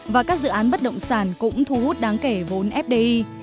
và các dự án bất động sản cũng thu hút đáng kể vốn fdi